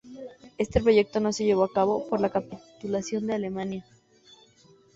Este proyecto no se llevó a cabo por la capitulación de Alemania.